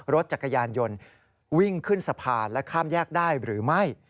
รถจักรยานยนต์วิ่งขึ้นสะพานและข้ามแยกได้หรือไม่